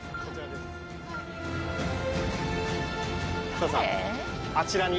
佐藤さん。